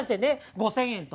５，０００円と。